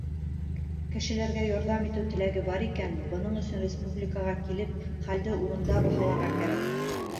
Кешеләргә ярҙам итеү теләге бар икән, бының өсөн республикаға килеп, хәлде урында баһаларға кәрәк.